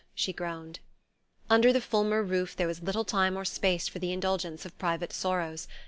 she groaned. Under the Fulmer roof there was little time or space for the indulgence of private sorrows.